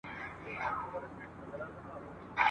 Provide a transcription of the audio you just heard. پردی کسب !.